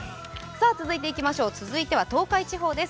続いては東海地方です。